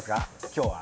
今日は。